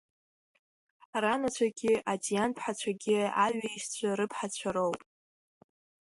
Ранацәагьы, Адиан-ԥҳацәагьы, аҩеишьцәа рыԥҳацәа роуп.